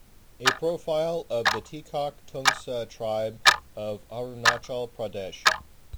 A profile of the Tikhak Tangsa tribe of Arunachal Pradesh.